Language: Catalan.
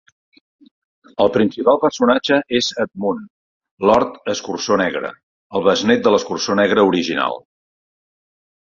El principal personatge és Edmund, Lord Escurçó Negre, el besnét de l'Escurçó Negre original.